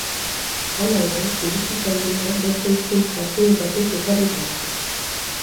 Hala ere, iritsi zaiguna beste hizkuntz batzuetatik ekarrita dago.